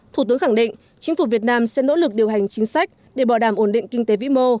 thủ tướng khẳng định chính phủ việt nam sẽ nỗ lực điều hành chính sách để bảo đảm ổn định kinh tế vĩ mô